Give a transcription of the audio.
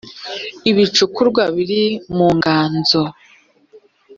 ibicukurwa biri mu nganzo